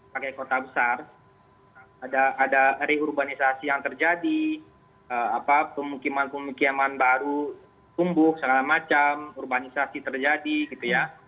pakai kota besar ada reurbanisasi yang terjadi pemukiman pemukiman baru tumbuh segala macam urbanisasi terjadi gitu ya